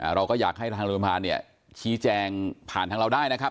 เราก็อยากให้ทางโรงพยาบาลเนี่ยชี้แจงผ่านทางเราได้นะครับ